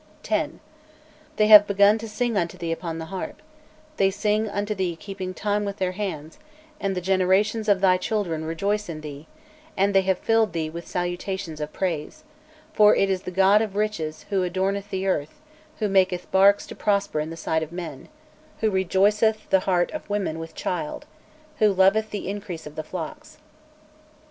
"XI. They have begun to sing unto thee upon the harp, they sing unto thee keeping time with their hands, and the generations of thy children rejoice in thee, and they have filled thee with salutations of praise; for it is the god of Riches who adorneth the earth, who maketh barks to prosper in the sight of man who rejoiceth the heart of women with child who loveth the increase of the flocks.